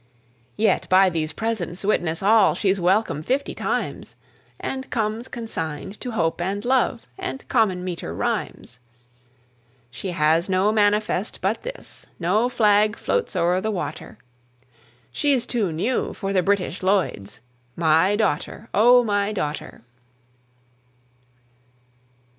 Yet by these presents witness all She's welcome fifty times, And comes consigned to Hope and Love And common meter rhymes. She has no manifest but this, No flag floats o'er the water, She's too new for the British Lloyds My daughter, O my daughter!